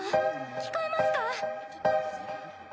聞こえますか？